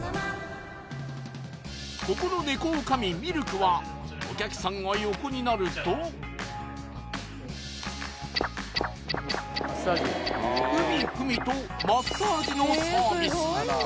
ここのネコ女将ミルクはお客さんが横になるとフミフミとマッサージのサービス